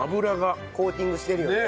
コーティングしてるよね。